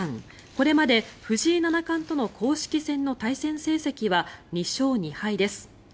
これまで藤井七冠との公式戦の対戦成績は２勝２敗です。